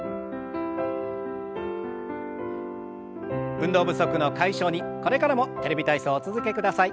運動不足の解消にこれからも「テレビ体操」お続けください。